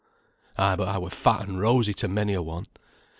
"Ay, but I were fat and rosy to many a one.